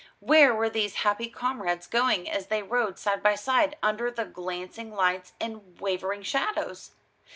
Where were these happy comrades going as they rode side by side under the glancing lights and wavering shadows?